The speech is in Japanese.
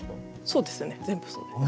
そうですね全部そうです。